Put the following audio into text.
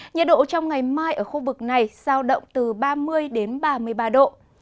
nhiệt độ trong ngày mai ở khu vực này sao động từ ba mươi đến ba mươi ba độ